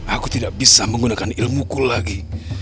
aku tidak bisa menggunakan ilmuku lagi